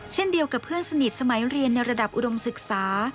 เช่นเดียวกับเพื่อนสนิทสมัยเรียนในระดับอุดมศึกษา